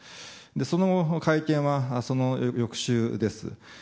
その後の会見はその翌週です。